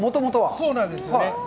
そうなんですよね。